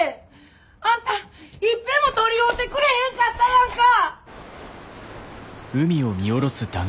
あんたいっぺんも取り合うてくれへんかったやんか！